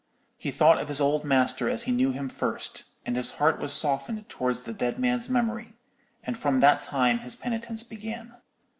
He thought of his old master as he knew him first, and his heart was softened towards the dead man's memory; and from that time his penitence began.